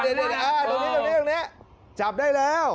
อ่าตรงนี้จับได้แล้ว